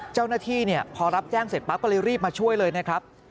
เจ้าหน้าที่พอรับแจ้งเสร็จปั๊บก็เลยรีบมาช่วยเลยนะครับ